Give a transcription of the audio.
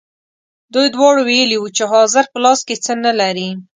دوی دواړو ویلي وو چې حاضر په لاس کې څه نه لري.